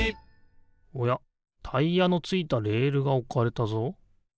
タイヤのついたレールがおかれたぞ。